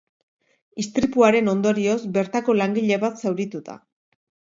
Istripuaren ondorioz, bertako langile bat zauritu da.